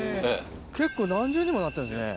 結構何重にもなってるんですね